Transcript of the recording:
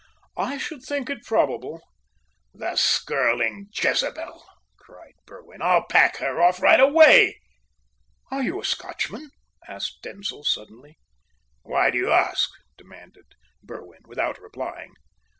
"I should think it probable." "The skirling Jezebel!" cried Berwin. "I'll pack her off right away!" "Are you a Scotchman?" asked Denzil suddenly. "Why do you ask?" demanded Berwin, without replying.